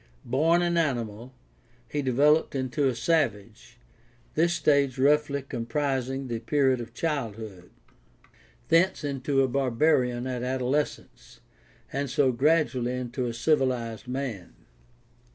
Born an animal, he developed into a savage — this stage roughly comprising the period of child hood— thence into a barbarian at adolescence, and so grad ually into a civilized man.